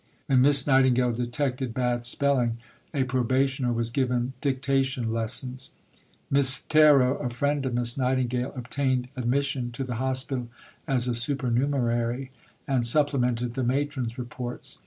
When Miss Nightingale detected bad spelling, a probationer was given dictation lessons. Miss Terrot, a friend of Miss Nightingale, obtained admission to the Hospital as a supernumerary, and supplemented the Matron's reports.